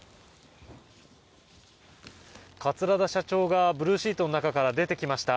桂田社長がブルーシートの中から出てきました。